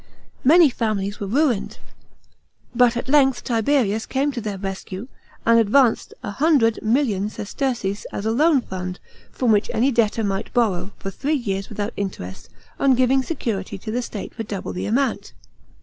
Many families were ruined ; but at length Tiberius came to the rescue, and advanced 100,000,000 sesterces as a loan fund, from which any debtor might borrow, for three years without interest, on giving security to the state for double the amount.